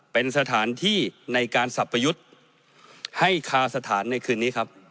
เป็นสถานที่ในการสับประยุทธ์ให้คาสถานในคืนนี้ครับ